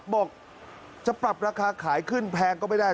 บอกจะปรับราคาขายขึ้นแพงก็ไม่ได้